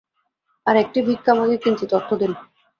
আর-একটি ভিক্ষা– আমাকে কিঞ্চিৎ অর্থ দিন।